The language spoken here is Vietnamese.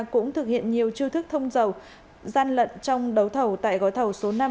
cũng thực hiện nhiều chiêu thức thông dầu gian lận trong đấu thầu tại gói thầu số năm